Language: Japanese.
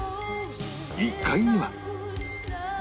１階には